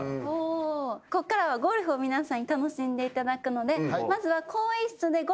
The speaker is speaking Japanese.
こっからはゴルフを皆さんに楽しんでいただくので。